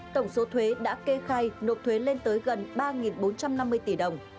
tổng số thuế đã kê khai nộp thuế lên tới gần ba bốn trăm năm mươi tỷ đồng